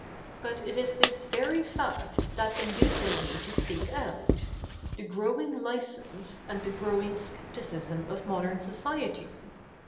But it is this very fact that induces me to speak out — the growing licence a7id the grozving scepticis7n of modern society.